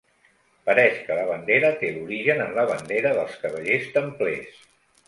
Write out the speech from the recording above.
Pareix que la bandera té l'origen en la bandera dels cavallers templers.